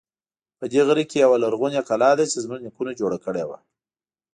په دې غره کې یوه لرغونی کلا ده چې زمونږ نیکونو جوړه کړی و